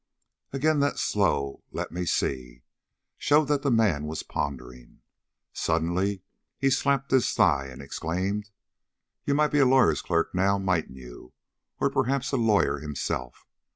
Again that slow "Let me see" showed that the man was pondering. Suddenly he slapped his thigh and exclaimed: "You might be a lawyer's clerk now, mightn't you; or, perhaps, a lawyer himself?